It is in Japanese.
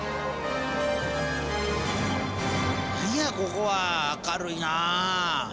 何やここは明るいな。